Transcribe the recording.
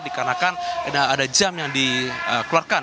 dikarenakan ada jam yang dikeluarkan